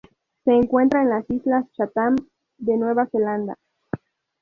Se encuentra en las Islas Chatham de Nueva Zelanda.